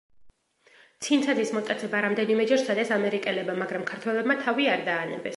ცინცაძის მოტაცება რამდენიმეჯერ სცადეს ამერიკელებმა, მაგრამ ქართველებმა თავი არ დაანებეს.